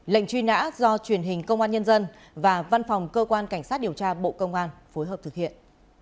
lệnh truy nã do truyền hình công an nhân dân và văn phòng cơ quan cảnh sát điều tra bộ công an phối hợp thực hiện